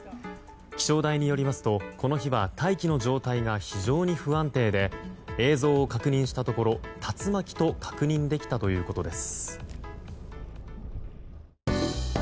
気象台によりますと、この日は大気の状態が非常に不安定で映像を確認したところ、竜巻と確認できたということです。